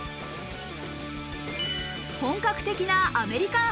本格的なアメリカン